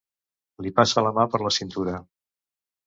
Li passa la mà per la cintura.